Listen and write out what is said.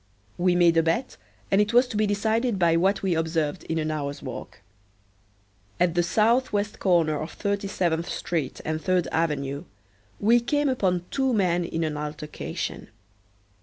We made a bet and it was to be decided by what we observed in an hour's walk. At the southwest corner of Thirty seventh street and Third avenue, we came upon two men in an altercation.